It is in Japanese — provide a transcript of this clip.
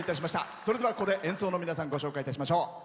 それでは、ここで演奏の皆さんご紹介いたしましょう。